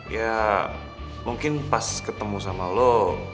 ya mungkin pas ketemu sama lo